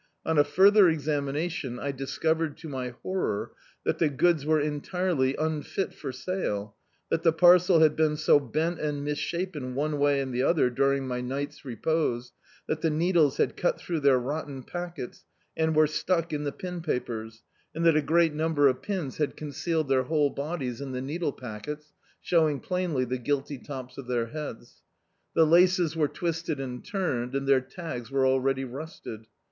On a further examination I discovered, to my horror, that the goods were entirely unfit for sale; that the parcel had been so bent and misshapen one way and the other, during my night's repose, that the needles had cut through their rotten packets, and were stuck in the pin papers, and that a great number of pins D,i.,.db, Google Gridling had concealed their whole bodies in the needle pack ets, showing plainly the guilty tops of their heads. The laces were twisted and turned, and their tags were already rusted.